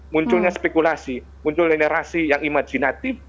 munculnya spekulasi muncul linerasi yang imajinatif